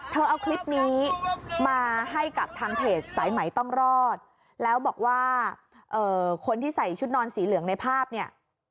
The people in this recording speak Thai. เอาคลิปนี้มาให้กับทางเพจสายไหมต้องรอดแล้วบอกว่าคนที่ใส่ชุดนอนสีเหลืองในภาพเนี่ย